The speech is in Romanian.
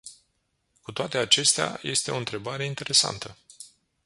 Cu toate acestea, este o întrebare interesantă.